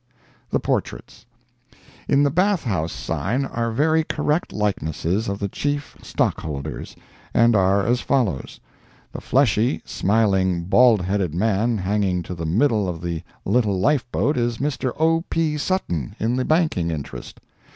THE PORTRAITS In the bath house sign are very correct likenesses of the chief stockholders, and are as follows: The fleshy, smiling, bald headed man hanging to the middle of the little life boat, is Mr. O. P. Sutton, in the banking interest.